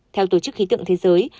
theo tổ chức khí tượng thế giới